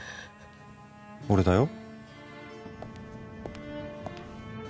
俺だよ。